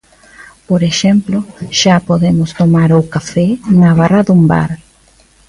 Por exemplo, xa podemos tomar o café na barra dun bar.